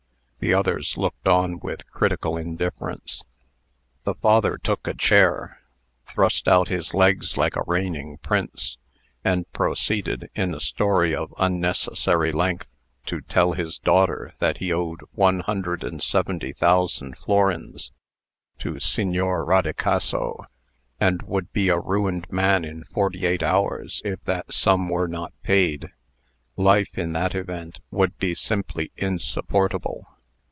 The others looked on with critical indifference. The father took a chair, thrust out his legs like a reigning prince, and proceeded, in a story of unnecessary length, to tell his daughter that he owed one hundred and seventy thousand florins to Signor Rodicaso, and would be a ruined man in forty eight hours if that sum were not paid. Life, in that event, would be simply insupportable.